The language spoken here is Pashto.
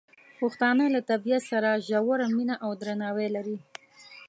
پښتانه له طبیعت سره ژوره مینه او درناوی لري.